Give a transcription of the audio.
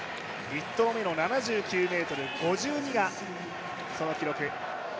１投目の７９ｍ５２がその記録。